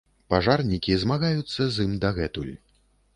Пажарнікі змагаюцца з ім дагэтуль.